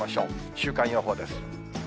週間予報です。